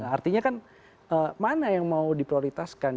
artinya kan mana yang mau diprioritaskan